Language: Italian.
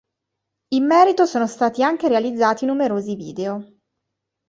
In merito sono stati anche realizzati numerosi video.